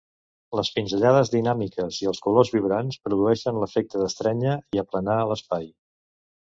Les pinzellades dinàmiques i els colors vibrants produeixen l'efecte d'estrènyer i aplanar l'espai.